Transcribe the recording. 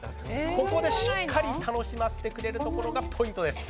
ここでしっかり楽しませてくれることがポイントです。